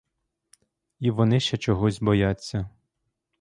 І вони ще чогось бояться.